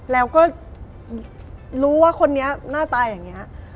แล้วก็รู้ว่าคนนี้หน้าตาอย่างนี้